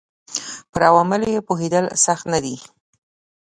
پر عواملو یې پوهېدل سخت نه دي